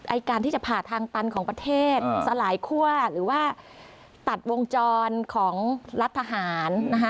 การที่จะผ่าทางตันของประเทศสลายคั่วหรือว่าตัดวงจรของรัฐทหารนะคะ